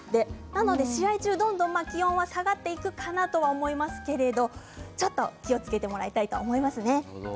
なので試合中、どんどん気温は下がっていくかなと思いますけれどちょっと気をつけてもらいたいと思いますね。